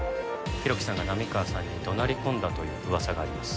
浩喜さんが波川さんに怒鳴り込んだという噂があります。